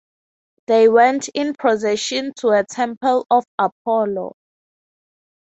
They went in procession to a temple of Apollo.